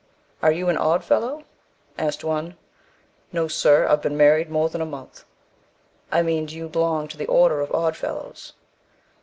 "Are you an Odd Fellow?" asked one. "No, sir, I've been married more than a month." "I mean, do you belong to the order of Odd Fellows?"